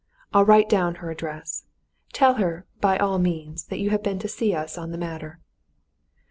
I'll write down her address. Tell her, by all means, that you have been to see us on the matter."